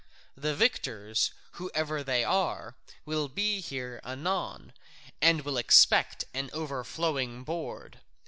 The victors, whoever they are, will be here anon, and will expect an overflowing board.